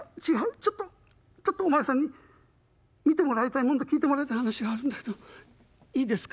ちょっとちょっとお前さんに見てもらいたいもんと聞いてもらいたい話があるんだけどいいですか？」。